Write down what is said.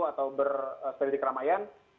atau bersepeda di keramaian